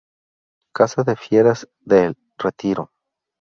Casa de Fieras de El Retiro".